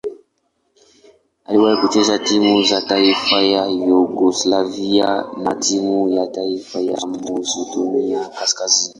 Aliwahi kucheza timu ya taifa ya Yugoslavia na timu ya taifa ya Masedonia Kaskazini.